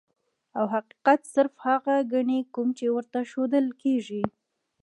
او حقيقت صرف هغه ګڼي کوم چې ورته ښودلے کيږي -